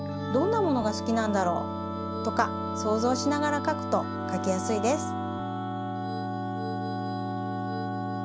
どんなものがすきなんだろう？とかそうぞうしながら描くと描きやすいです。